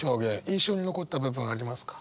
印象に残った部分ありますか？